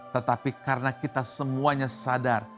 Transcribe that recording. tetapi karena kita semuanya sadar